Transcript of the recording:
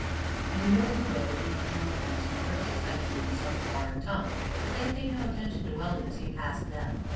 In the middle of the road a group of mill hands conversed excitedly in some foreign tongue; but they paid no attention to Weldon as he passed them.